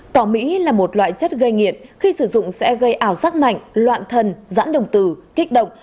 tỏ mỹ là một loại chất gây nghiện khi sử dụng sẽ gây ảo sắc mạnh loạn thần giãn đồng tử kích động